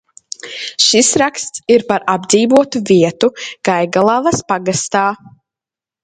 Šis raksts ir par apdzīvotu vietu Gaigalavas pagastā.